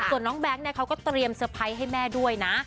ส่วนน้องแบงค์เขาก็เตรียมเตอร์ไพรส์ให้แม่ด้วยนะ